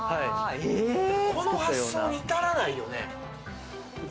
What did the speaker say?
この発想に至らないよね。